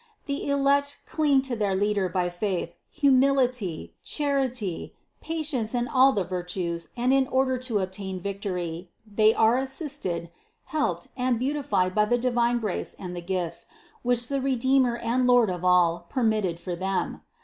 The elect cling to their Leader by faith, hu mility, charity, patience and all the virtues and in order to obtain victory, they are assisted, helped and beauti fied by the divine grace and the gifts, which the Re deemer and Lord of all merited for them.